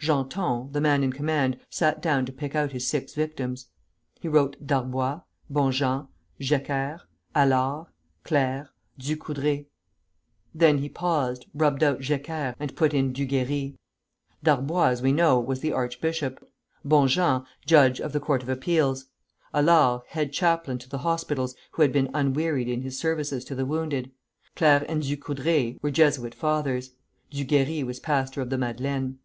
Genton, the man in command, sat down to pick out his six victims. He wrote Darboy, Bonjean, Jecker, Allard, Clerc, Ducoudray. Then he paused, rubbed out Jecker, and put in Duguerrey. Darboy, as we know, was the archbishop; Bonjean, judge of the Court of Appeals; Allard, head chaplain to the hospitals, who had been unwearied in his services to the wounded; Clerc and Ducoudray were Jesuit fathers; Duguerrey was pastor of the Madeleine.